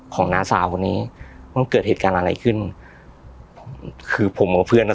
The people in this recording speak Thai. น้าสาวคนนี้ว่ามันเกิดเหตุการณ์อะไรขึ้นผมคือผมกับเพื่อนอ่ะ